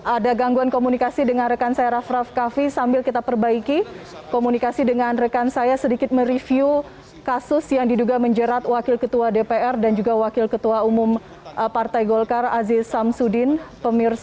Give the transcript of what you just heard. ada gangguan komunikasi dengan rekan saya raff raff kaffi sambil kita perbaiki komunikasi dengan rekan saya sedikit mereview kasus yang diduga menjerat wakil ketua dpr dan juga wakil ketua umum partai golkar aziz samsudin